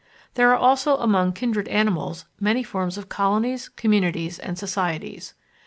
There are also among kindred animals many forms of colonies, communities, and societies.